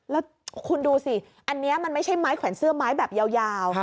แล้วคุณดูสิอันนี้มันไม่ใช่ไม้แขวนเสื้อไม้แบบยาว